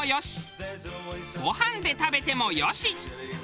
ご飯で食べてもよし。